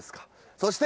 そして。